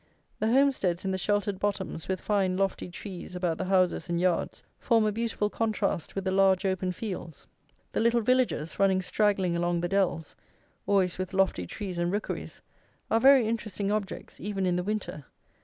The homesteads in the sheltered bottoms with fine lofty trees about the houses and yards form a beautiful contrast with the large open fields. The little villages, running straggling along the dells (always with lofty trees and rookeries) are very interesting objects, even in the winter.